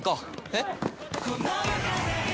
えっ？